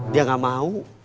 dia gak mau